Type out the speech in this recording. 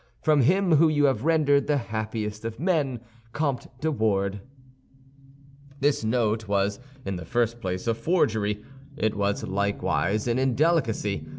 From him whom you have rendered the happiest of men, COMTE DE WARDES This note was in the first place a forgery; it was likewise an indelicacy.